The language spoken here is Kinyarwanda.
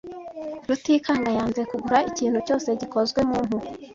Rutikanga yanze kugura ikintu cyose gikozwe mu mpu.